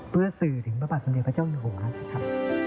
เพื่อสื่อถึงประปัติสำเร็จพระเจ้าหญวนะครับ